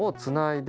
で